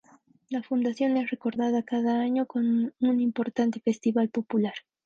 La fundación es recordada cada año con un importante festival popular.